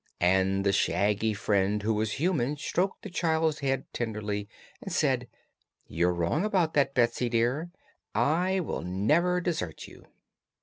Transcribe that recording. And the shaggy friend who was human stroked the child's head tenderly and said: "You're wrong about that, Betsy, dear. I will never desert you."